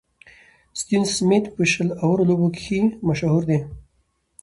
ستيون سميټ په شل اورو لوبو کښي مشهوره ده.